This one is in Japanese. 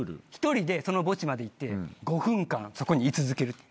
１人でその墓地まで行って５分間そこにい続ける。